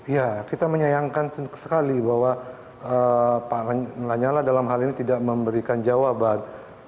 ya kita menyayangkan sekali bahwa pak lanyala dalam hal ini tidak memberikan jawaban